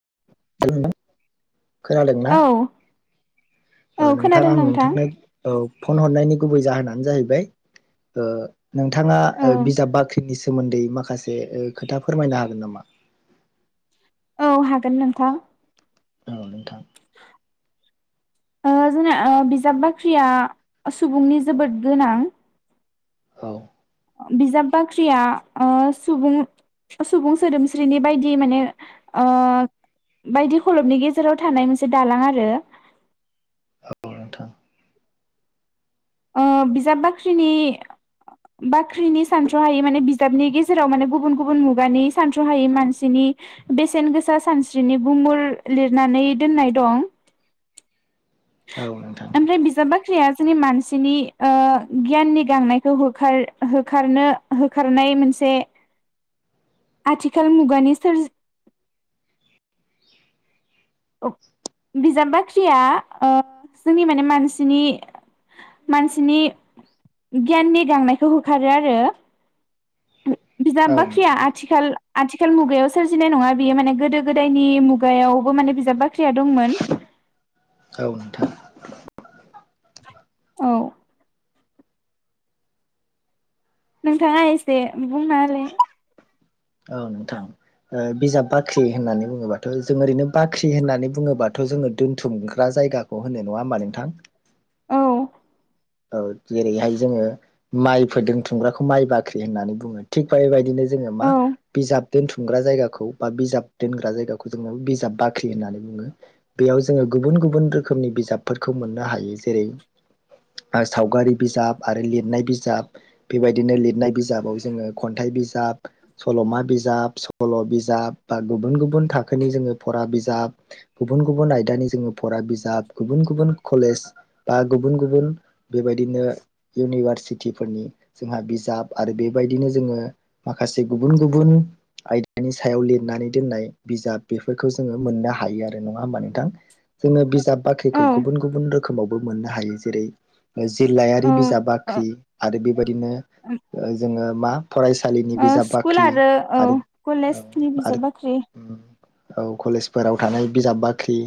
[unintelligible] खोनादोंना औ ओ औ नोंथां खोनादों आं नोंथांनो औ फन हरनायनि गुबै जाहोनानो जाहैबाय ओ नोंथाङा औ बिजाब बाख्रिनि सोमोन्दै माखासे ओ खोथा फोरमायनो हागोन नामा? औ हागोन नोंथां। औ नोंथां ओ जोंना ओ बिजाब बाख्रिया सुबुंनि जोबोद गोनां। औ। बिजाब बाख्रिया ओ सुबुं सुबुं सोदोमस्रिनि बायदि माने ओ बायदि खलबनि गेजेराव थानाय मोनसे दालां आरो औ नोंथां ओ बिजाब बाख्रिनि बाख्रिनि सानथ्रहायै माने बिजाबनि गेजेराव माने गुबुन गुबुन मुगानि सानथ्रहायि मानसिनि बेसेन गोसा सानस्रिनि गुमुर लिरनानै दोननाय दं। औ नोंथां ओमफ्राय बिजाब जोंनि मानसिनि ओ गियाननि गांनायखौ होखार होखारनो होखारनाय नाय मोनसे आथिखाल मुगानि सोरज बिजाब बाख्रिया ओ जोंनि माने मानसिनि मानसिनि गियाननि गांनायखौ होखारो आरो औ बिजाब बाख्रिया नोंथां आथिखाल आथिखाल मुगायाव सोरजिनाय नङा बियो माने गोदो गोदायनि मुगायावबो माने बिजाब बाख्रिया दंमोन [unintelligible] औ नोंथाङा एसे बुंना होलाय औ नोंथां ओ बिजाब बाख्रि होननानै बुङोबाथ' जों ओरैनो बाख्रि होननानै बुङोबाथ' जोङो दोनथुमग्रा जायगाखौ होनो नङा होमबा नोंथां औ औ जेरैहाय जोङो माइ फो दोन्थुमग्राखौ माइ बाख्रि होननानै बुङो थिग बेबायदिनो जोङो मा औ बिजाब दोनथुमग्रा जायगाखौ बा बिजाब दोनग्रा जायगाखौ जोङो बिजाब बाख्रि होननानै बुङो बेयाव जोङो गुबुन गुबुन रोखोमनि बिजाबफोरखौ मोननो हायो जेरै आ सावगारि बिजाब आरो लिरनाय बिजाब बेबायदिनो लिरनाय बिजाबाव जोङो खन्थाइ बिज बिजाब सल'मा बिजाब सल' बिजाब बा गुबुन गुबुन थाखोनि जोङो फरा बिजाब गुबुन गुबुन आयदानि जोङो फरा बिजाब गुबुन गुबुन कलेज बा गुबुन गुबुन बेबायदिनो इउनिभारसिटिफोरनि जोंहा बिजाब आरो बेबायदिनो जोङो माखासे गुबुन गुबुन आयदानि सायाव लिरनानै दोननाय बिजाब बेफोरखौ जोङो मोननो हा हायो आरो नङा होमबा नोंथां जोङो बिजाब बाख्रिखौ औ गुबुन गुबुन रोखोमावबो मोननो हायो जेरै जिल्लायारि औ बिजाब बाख्रि आरो बेबायदिनो ओ जोङो मा फरायसालिनि बिजाब बाख्रि आरो ओ कलेज नि आरो बिजाब बाख्रि औ कलेजफोराव थानाय बिजाब बाख्रि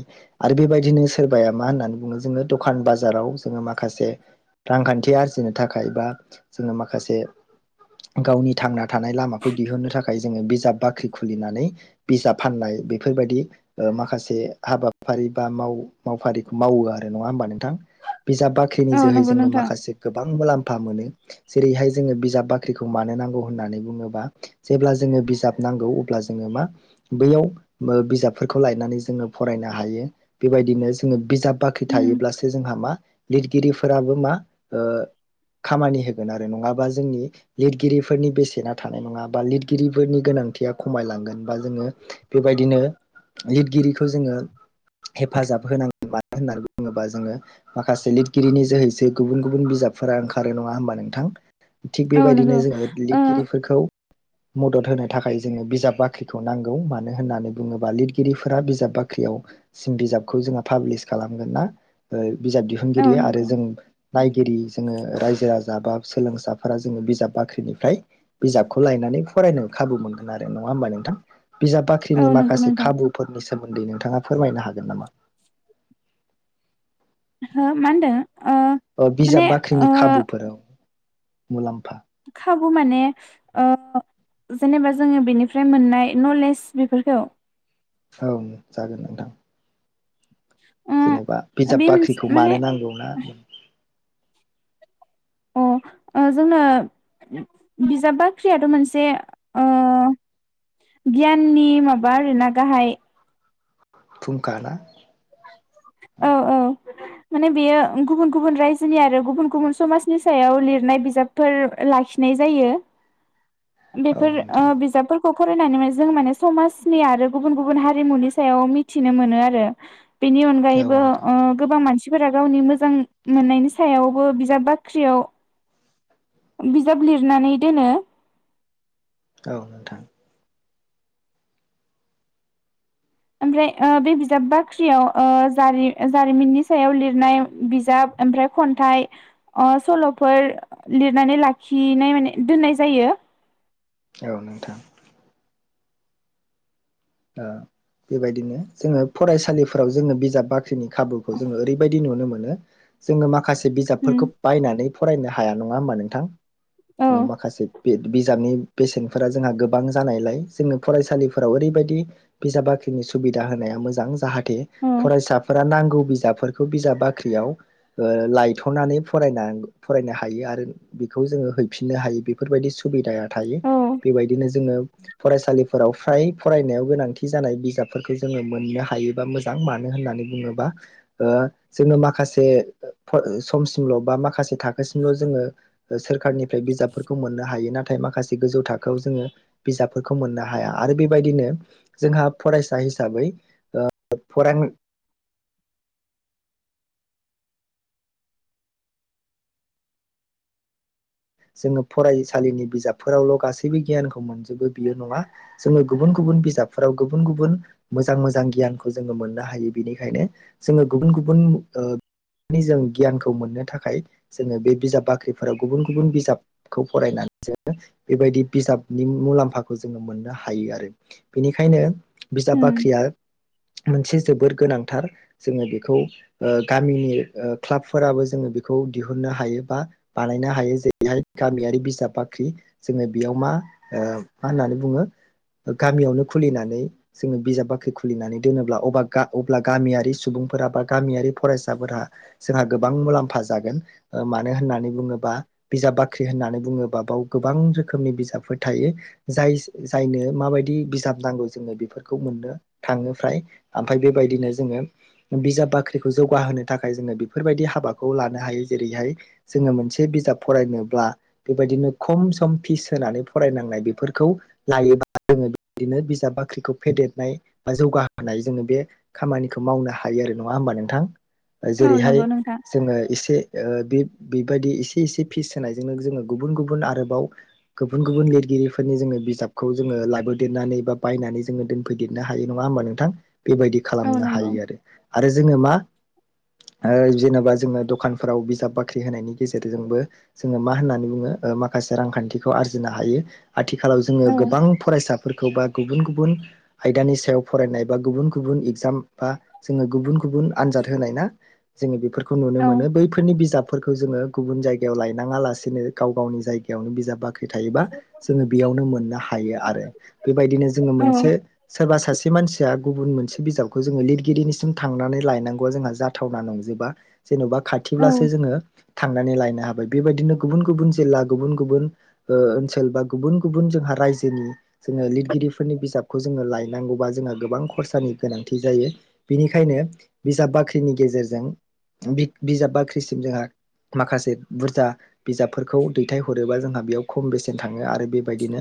आरो बेबायदिनो सोरबाया मा होननानै बुङो जोङो दखान बाजाराव जोङो माखासे रांखान्थि आरजिनो थाखाय बा जोङो माखासे गावनि थांना थानाय लामाखौ दिहुननो थाखाय जोङो बिजाब बाख्रि खुलिनानै बिजाब फाननाय बेफोरबायदि ओ माखासे हाबाफारि बा माव मावफारिखौ मावो आरो नङा होमबा नोंथां बिजाब बाख्रिनि औ जोहै नंगौ जोङो नोंथां माखासे गोबां मुलाम फा मोनो जेरैहाय जोङो बिजाब बाख्रिखौ मानो नांगौ होननानै बुङोबा जेब्ला जोङो बिजाब नांगौ अब्ला जोङो मा बैयाव बिजाबफोरखौ लायनानै जोङो फरायनो हायो बेबाय बिदिनो जोङो बिजाब बाख्रि उम थायोब्लासो जोंहा मा लिरगिरिफोराबो मा ओ खामानि होगोन आरो नङाबा जोंनि लिरगिरिफोरनि बेसेना थानाय नङा बा लिरगिरिफोरनि गोनां थिया खमायलांगोन बा जोङो बेबायदिनो लिरगिरिखौ जोङो हेफाजाब होनांगौ मानो होननानै बुङोबा जोङो माख खासे लिरगिरिनि जोहैसो गुबुन गुबुन बिजाबफोरा ओंखारो नङा होमबा नोंथां थिग औ बेबायदिनो नंगौ जोङो ओ लिरगिरिफोरखौ मदद होनो थाखाय जोङो बिजाब बाख्रिखौ नांगौ मानो होननानै बुङोब्ला लिरगिरिफोरा बिजाब बाख्रियाव सिम बिजाबखौ जोंहा पाब्लिस खालामगोना ओ बिजाब औ दिहुनगिरिया आरो नंगौ जों नायगिरि जोङो रायजो राजा बा सोलोंसाफोरा जोङो बिजाब बाख्रिनिफ्राय बिजाबखौ लायनानै नै फरायनो खाबु मोनगोन आरो नङा होमबा नोंथां बिजाब बाख्रिनि औ नंगौ माखासे नोंथां खाबुफोरनि सोमोन्दै नोंथाङा फोरमायनो हागोन नामा हो मा होनदों ओ ओ बिजाब माने बाख्रिनि ओ खाबुफोर ओं मुलाम खाबु माने ओ जेनेबा जोङो बेनिफ्राय मोननाय नलेज बेफोरखौ औ जागोन नोंथां उम जेनेबा बे बिजाब मोनसे बाख्रिखौ माने मानो नांगौना? अ जोंनो बिजाब बाख्रियाथ' मोनसे ओ गियाननि माबा ओरा गाहाय फुखाना औ औ [inaudible] माने बेयो गुबुन गुबुन रायजोनि आरो गुबुन गुबुन समाजनि सायाव लिरनाय बिजाबफोर लाखिनाय जायो [inaudible] बेफोर नोंथां बिजाबफोर खौ फरायनानै माने जों माने समाजनि आरो गुबुन गुबुन हारिमुनि सायाव मिथिनो मोनो आरो। बेनि औ अनगायैबो नोंथां गोबां मानसि मसिफोरा गावनि मोजां मोननायनि सायावबो बिजाब बाख्रियाव बिजाब लिरनानै दोनो। औ नोंथां। ओमफ्राय बे बिजाब बाख्रियाव ओ जारि जारिमिननि सायाव लिरनाय बिजाब। ओमफ्राय खन्थाइ सल'फोर लिरनानै लाखिनाय माने दोननाय जायो। औ नोंथां। बेबायदिनो जोङो फरायसालिफोराव जोङो बिजाब बा ख्रिनि खाबुखौ जोङो ओरैबायदि नुनो मोनो जोङो माखासे उम बिजाबफोरखौ बायनानै फरायनो हाया नङा होमबा नोंथां औ माखासे बे बिजाबनि बेसेनफोरा जोंहा गोबां जानायलाय जोङो फरायसालिफोराव ओरैबायदि बिजाब बाख्रिनि सुबिदा होनाया मोजां जाहाथे औ फरायसाफोरा नां गौ बिजाबफोरखौ बिजाब बाख्रियाव लायथ'नानै फरायना फरायनो हायो आरो बेखौ जोङो हैफिननो हायो बेफोरबायदि सुबिदाया हायो औ बेबायदिनो जोङो फरायसालिफोराव फ्राय फरायनायाव गोनांथि जानाय बिजफोरखौ जोङो मोननो हायोबा मोजां मानो होननानै बुङोबा माखासे समसिमल' बा माखासे थाखोसिमल' जोङो सोरखारनिफ्राय बिजाब बिजफोरखौ मोननो हायो नाथाय माखासे गोजौ थाखोआव जोङो बिजाबफोरखौ मोननो हाया आरो बेबायदिनो जोंहा फरायसा हिसाबै फरां जोङो फरायसालिनि बिजाबफोरावल' गासैबो गियानखौ मोनजोबो बियो नङा जोङो गुबुन गुबुन बिजाबफोराव गुबुन गुबुन मोजां मोजां गियानखौ जोङो मोननो हायो बेनिखायनो जोङो गुबुन गुबुन जों गियानखौ मोननो थाखाय जोङो बे बिजाब बाख्रिफोराव गुबुन गुबुन बिजाबखौ फरायनानै जो बेबायदि बिजाबनि मुलाम्फाखौ जोङो मोननो हायो आरो बेनिखायनो बिजाब उम बाख्रिया मोनसे जोबोर गोनांथार जोङो बेखौ गामिनि क्लाबफोराबो जों बेखौ दिहुननो हायो बा बानायनो हायो। जेरैहाय गामियारि बिजाब बाख्रि जोङो बेयाव मा मा होननानै बुङो। गामियावनो खुलिनानै जोङो बिजाब बाख्रि खुलिनानै दोनोब्ला अ अब्ला गामियारि सुबुंफोरा बा गामियारि फरायसाफोराहा जोंहा गोबां मुलाम्फा जागोन मानो होननानै बुङोबा। बिजाब बाख्रि होननानै बुङोबा बाव गोबां रोखोमनि बिजाबफोर थायो जाय जायनो माबायदि बिजाब नांगौ जोङो बेफोरखौ मोननो थाङो फ्राय ओमफ्राय बेबायदिनो जोङो बिजाब बाख्रिखौ जौगाहोनो थाखाय जोङो बेफोरबायदि हाबाखौ लानो हायो जेरैहाय जोङो मोनसे बिजाब फरायनोब्ला बेबायदिनो खम सम फिस होनानै फरायनांनाय बेफोरखौ लायोबा जों बिनो बिजाब बाख्रिखौ फेदेरनाय बा जौगाहोनाय जोङो बे खामानिखौ मावनो हायो आरो नो नङा होमबा नोंथां औ जेरैहाय नंगौ नोंथां जोङो एसे बेबायदि एसे एसे फिस होनायजोंनो जोङो गुबुन गुबुन आरोबाव गुबुन गुबुन लिरगिरिफोरनि जोङो बिजाबखौ जोङो लाबो फेदेरनानै बा बायनानै जोङो दोनफैदेरनो हायो नङा होमबा नोंथां बेबायदि औ खालामनो नंगौ हायो आरो आरो जोङो मा ओ जेनेबा जोङो दखानफोराव बिजाब बाख्रि होनायनि गेजेरजोंबो जोङो मा होननानै बुङो माखासे रांखान्थिखौ आरजिनो हायो। आथिखालाव जोङो औ गोबां फरायसाफोरखौ बा गुबुन गुबुन आयदानि सायाव फरायनाय बा गुबुन गुबुन इगजाम बा जोंङो गुबुन गुबुन आनजाद होनाय ना जोंङो बेफोर खौ नुनो औ मोनो बैफोरनि बिजाबफोरखौ जोङो गुबुन जायगायाव लाय मोनाङा लासिनो गाव गावनि जायगायावनो बिजाब बाख ख्रि थायोबा जोङो बेयावनो मोननो हायो आरो बेबायदिनो जोङो औ मोनसे सोरबा सासे मानसिया गुबुन मोनसे बिजाबखौ जोङो लिरगिरिनिसिम थांनानै लायनांगौआ जोंहा जाथावना नंजोबा। जेन'बा औ खाथिब्लासो जोङो थांनानै लायनो हाबाय बेबायदिनो गुबुन गुबुन जिल्ला गुबुन गुबुन ओ ओनसोल बा गुबुन गुबुन जोंहा रायजोनि जोङो लिरगिरिफोरनि बिजाबखौ जोङो लायनांगौबा जोंहा गोबां खरसानि गोनांथि जायो। बेनिखायनो बिजाब बाख्रिनि गेजेरजों बिजाब बाख्रिसिम जोंहा माखासे बुरजा बिजाबफोरखौ दैथायहरोबा जोंहा बेयाव खम बेसेन थाङो आरो बेबायदिनो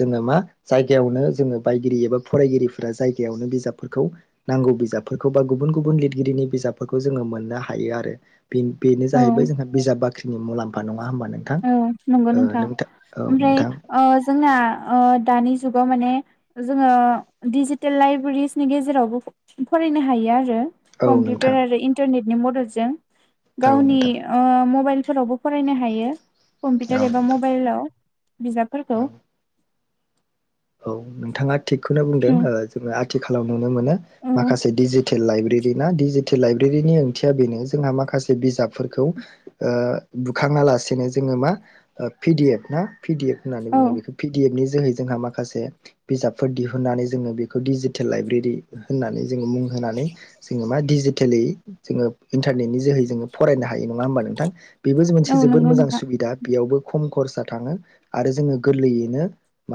जोङो मा जायगायावनो जोङो बायगिरि एबा फरायगिरिफोरा जायगायावनो बिजाबफोरखौ नांगौ बिजाबफोरखौ बा गुबुन गुबुन लिरगिरिनि बिजाबफोरखौ जोंङो मोननो हायो आरो। बेनो औ जाहैबाय जोंहा बिजाब बाख्रिनि मुलाम्फा नंङा होमबा? नोंथां औ नंगौ ओ नोंथां औ ओमफ्राय नोंथां ओ जोंना ओ दानि जुगाव माने जोंङो दिजिटेल लाइब्रेरिनि गेजेरावबो फरायनो हायो आरो औ नोंथां कम्पिउटार आरो इन्टारनेटनि मददजों औ गावनि नोंथां ओ मबाइल फोरावबो फरायनो हायो कम्पिउटार एबा औ मबाइलाव। बिजाबफोरखौ। औ औ नोंथांङा थिगखौनो बुंदों ओ जोंङो आथिखालाव नुनो मोनो औ माखासे देजि टेल लाइब्रेरि ना डिजिटेल लाइब्रेरिनि ओंथिया बेनो जोंहा माखासे बिजाबफोरखौ ओ बुखांङा लासेनो जोंङो मा पि डि एफ ना? पि डि एफ होननानै औ बुंङो बेखौ पि डि एफ नि जोहै जोंहा मा माखासे बिजाबफोर दिहुननानै जोंङो बेखौ डिजिटेल लाइब्रेरि होननानै जोङो मुं होनानै जोंङो मा डिजिटेलि जोंङो इन्टारनेटनि जोहै जोंङो फरायनो हायो नङा होमबा नोंथां? बेबो मोनसे औ जोबोद नंगौ मोजां नोंथां सुबिदा बेयावबो खम खरसा थांङो आरो जोंङो गोरलैयैनो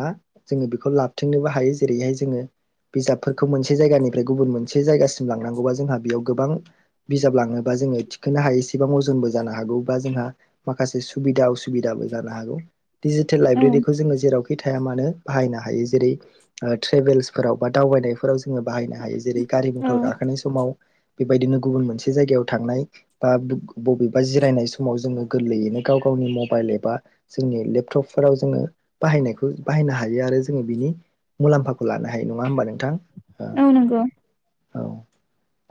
मा जोंङो बेखौ लाबथिंनोबो हायो जेरैहाय जोंङो बिजाबफोरखौ मोनसे जायगानिफ्राय गुबुन मोनसे जायगासिम लांनांगौबा जोंहा बेयाव गोबां बिजाब लांङोबा जोंङो थिखांनो हायिसेबां अजनबो जानो हागौ बा जोंहा माखासे सुबिदा असुबिदाबो जानो हागौ। दिडिजिटेल औ लाइब्रेरिखौ जोंङो जेरावखि थाया मानो बाहायनो हायो जेरै ट्रेभेलसफोराव बा दावबायनायफोराव जोंङो बाहायनो हायो जेरै गारि औ मथर गाखोनाय समाव बा बेबायदिनो गुबुन मोनसे जायगायाव थांनाय बा बबेबा जिरायनाय समाव जोङो गोरलैयैनो गाव गावनि मबाइल एबा जोंनि लेपटपफोराव जोंङो बाहायनायखौ बाहायनो हायो। बेयो आरो जोंङो बिनि मुलाम्फाखौ लानो हायो नंङा होमबा नोंथां? ओ औ नंगौ। औ।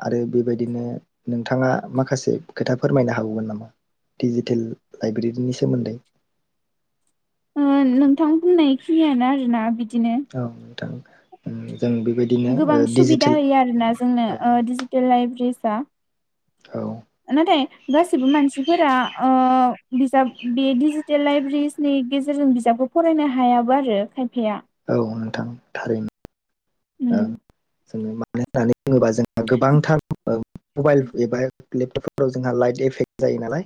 आरो बेबायदिनो नोंथांङा माखासे खोथा फोरमायनो हाबावगोन नामा? डिजिटेल लाइब्रेरिनि सोमोन्दै। ओ नोंथां बुंनाय खिनियानो आरोना बि औ नोंथां। उम जों बेबायदिनो ओ गोबां सुबिदा डिजिटेल होयो आरोना जोंनो औ डिजिटेल लाइब्रेरिसआ औ नाथाय गासिबो मानसिफोरा ओ बिजाब बे डिजिटेल लाइब्रेरिनि गेजेरजों बिजाबखौ फरायनो हायाबो आरो खायफाया। औ नोंथां थारैनो उम [unintelligible] जों मा मानो होनना बुङोबा जोंहा गोबांथार मबाइल एबा एप लेपटपफोराव जोंहा लाइट एफेक्ट जायो नालाय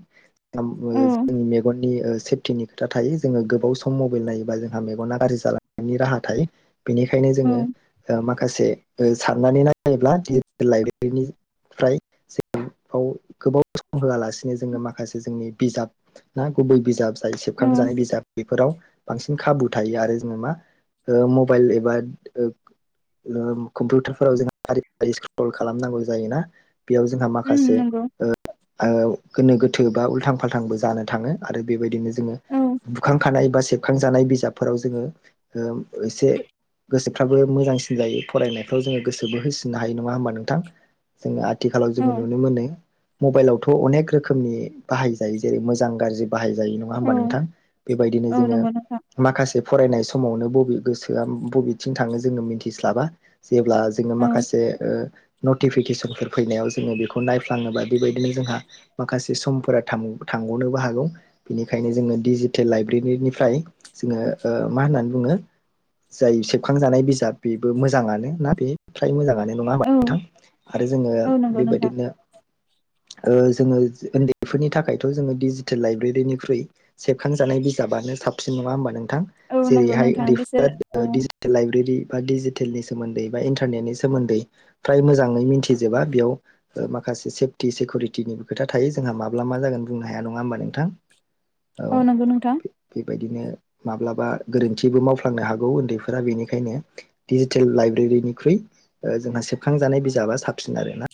उम ओ औ जोंनि मेगननि ओ सेफटिनि था थायो जोङो गोबाव सम मबाइल नायोबा जोंहा मेगना गाज्रि जालांनायनि राहा थायो बेनिखायनो औ जोङो माखासे साननानै नायोब्ला लाइब्रेरिनिफ्राय जों बाव गोबाव सम होआलासिनो जोङो माखासे जोंनि बिजाब ना गुबै बिजाब जाय औ सेबखांजानाय बिजाब बेफोराव बांसिन खाबु थायो आरो जेनेबा ओ मबाइल एबा ओ ओ कम्पिउटारफोराव जों फारि फारि स्क्रल खालामनांगौ जायोना बेयाव जोंहा उम माखासे नंगौ ओ गोनो गोथो बा उल्थां फाल्थांबो जानो थाङो आरो बेबायदिनो जोंङो औ बुखांखानाय बा सेबखांजानाय बिजाबफोराव जोङो ओ एसे गोसोख फ्राबो मोजांसिन जायो फरायनायफ्राव जोङो गोसोबो होसिननो हायो नङा होमबा नोंथां जोङो आथि आथिखालाव जो औ नुनो मोनो मबाइलावथ' अनेक रोखोमनि बाहायजायो जेरै मोजां गाज्रि बाहायजायो नङा होमबा औ नोंथां बेबायदिनो औ जोङो नंगौ नोंथां माखासे फरायनाय समावनो बबे गोसोआ बबेथिं थाङो जोङो मिथिस्लाबा जेब्ला जोङो औ माखासे ओ नटिफिकेसनफोर फैनायाव जोङो बेखौ नायफ्लाङोबा बेबायदिनो जोंहा माखासे समफोरा थाङो थांग'नोबो हागौ बेनिखायनो जोङो डिजिटेल लाइब्रेरिनि फ्राय जोङो ओ मा होननानै बुङो जाय सुखांजानाय बिजाब बेबो मोजाङानो ना बे फ्राय मोजाङानो नङा होमबा औ नोंथां आरो जोङो औ नंगौ नोंथां बेबायदिनो ओ जोङो ओनदैफोरनि थाखायथ' जोङो डिजिटेल लाइब्रेरिनिख्रुइ सेबखांजानाय बिज बिजाबनो साबसिन नङा होनबा नोंथां औ नंगौ जेरैहाय नोंथां बिसोर ओनदैफोरा औ डिजि लाइब्रेरि बा डिजिटेलनि सोमोन्दै बा इन्टारनेटनि सोमोन्दै फ्राय मोजाङै मिनथिजोबा बेयाव माखासे सेफटि सेकिउरिटिनिबो खोथा थायो जोंहा माब्ला मा जागोन बुंनो हाया नङा होमबा नोंथां औ नंगौ नोंथां बिदिनो माब्लाबा गोरोन्थिबो मावफ्लांनो हागौ ओनदै फोर बेनिखायनो डिजिटेल लाइब्रेरिनिख्रुइ जोंना सेबखांजानाय बिजाबा साबसिन आरो ना